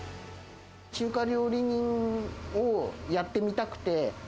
中華料理人をやってみたくて。